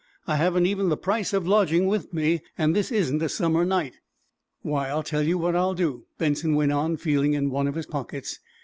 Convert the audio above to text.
I haven't even the price of a lodging with me, and this isn't a summer night." "Why, I'll tell you what I'll do," Benson went on, feeling in one of his pockets.